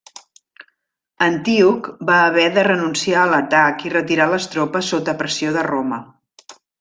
Antíoc va haver de renunciar a l'atac i retirar les tropes sota pressió de Roma.